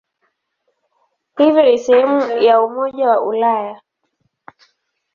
Hivyo ni sehemu ya Umoja wa Ulaya.